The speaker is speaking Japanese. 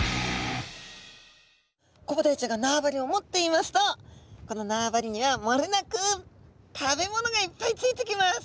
コブダイちゃんが縄張りを持っていますとこの縄張りにはもれなく食べ物がいっぱいついてきます。